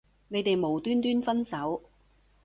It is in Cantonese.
你哋無端端分手